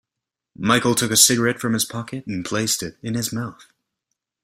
Michael took a cigarette from his pocket and placed it in his mouth.